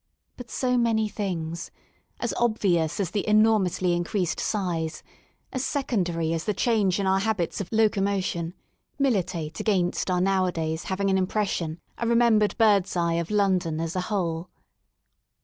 But so many things^as obvious as the enormously increased size, as secondary as the change in our habits of locomotion — militate against our now adays having an impression, a remembered bird's eye view of London as a whole.